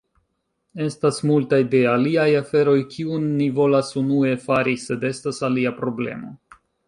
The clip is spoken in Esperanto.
Estas multaj de aliaj aferoj kiun ni volas unue fari, sed estas alia problemo.